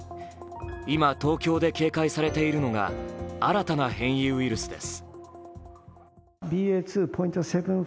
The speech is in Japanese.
今、東京で警戒されているのが新たな変異ウイルスです。